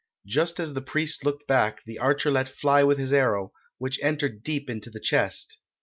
Just as the priest looked back the archer let fly with his arrow, which entered deep into the chest.